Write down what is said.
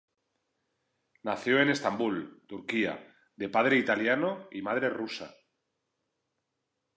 Nació en Estambul, Turquía, de padre italiano y madre rusa.